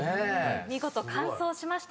見事完奏しました。